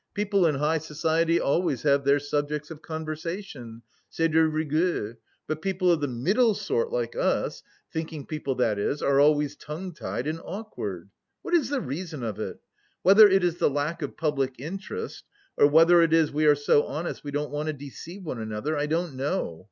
people in high society always have their subjects of conversation, c'est de rigueur, but people of the middle sort like us, thinking people that is, are always tongue tied and awkward. What is the reason of it? Whether it is the lack of public interest, or whether it is we are so honest we don't want to deceive one another, I don't know.